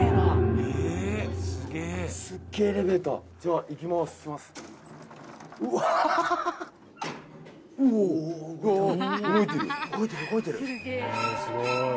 へえすごい。